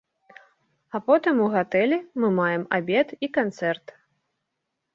А потым у гатэлі мы маем абед і канцэрт.